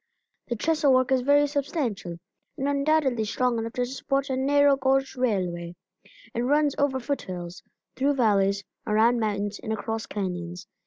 The trestle work is very substantial, and undoubtedly strong enough to support a narrow gauge railway. It runs over foot hills, through valleys, around mountains, and across canyons.